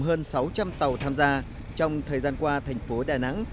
tổ đội hải sản cùng hơn sáu trăm linh tàu tham gia trong thời gian qua thành phố đà nẵng